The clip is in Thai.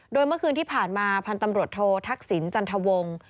โดยเมื่อคืนที่ผ่านมาพันธ์ตำรวจโททักษิณจันทวงศ์